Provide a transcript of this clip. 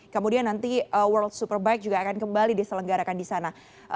kemudian nanti world superbike juga akan kembali diselenggarakan di sana